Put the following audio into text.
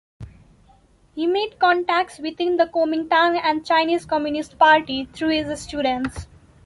He made contacts within the Kuomintang and the Chinese Communist Party through his students.